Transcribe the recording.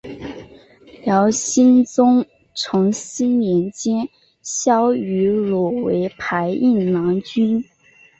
辽兴宗重熙年间萧迂鲁为牌印郎君。